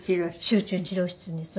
集中治療室にそう。